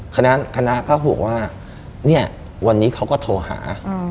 คณะก็บอกว่าเนี่ยวันนี้เขาก็โทรหา